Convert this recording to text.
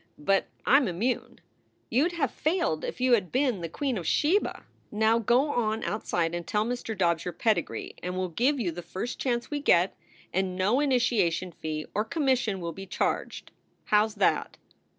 But I m immune. You d have failed if you had been the Queen of Sheba. Now go on outside and tell Mr. Dobbs your pedigree and we ll give you the first chance we get, and no initiation fee or com mission will be charged. How s that?